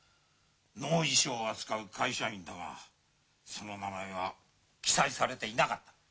能衣装を扱う会社員だがその名前が記載されていなかった。